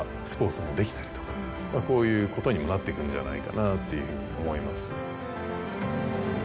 こういうことにもなっていくんじゃないかなというふうに思います。